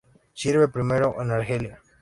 Sirve primero en Argelia.